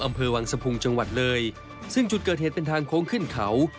อำเภอวังสะพุงจังหวัดเลยซึ่งจุดเกิดเหตุเป็นทางโค้งขึ้นเขา